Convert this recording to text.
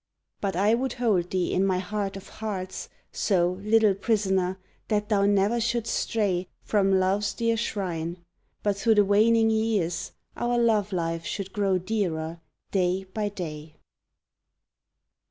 But I would hold thee in my heart of hearts So little prisoner, that thou ne'er shouldst stray From Love's dear shrine, but, through the waning years Our love life should grow dearer day by day!